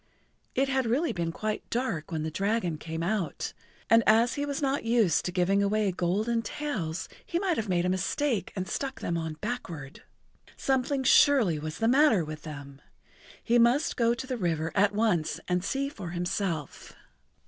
It had really been quite dark when the dragon came out, and as he was not used to giving away golden tails, he might have made a mistake and stuck them on backward. Something surely was the matter with them. He must go to the river at once and see for himself.